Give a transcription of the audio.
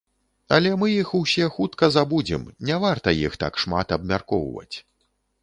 Але мы іх усе хутка забудзем, не варта іх так шмат абмяркоўваць.